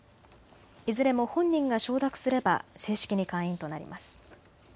いずれも本人が承諾すれば正式に会員となります。